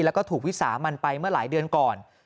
แล้วก็ถูกวิสามันไปเมื่อหลายเดือนก่อน